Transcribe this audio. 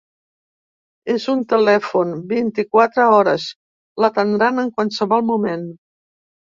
És un telèfon vint-i-quatre hores, l'atendran en qualsevol moment.